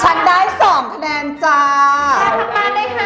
ฉันได้๒คะแนนจ้า